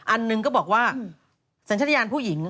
อันหนึ่งก็บอกว่าสัญชาติยานผู้หญิง